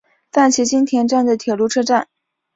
赞岐津田站的铁路车站。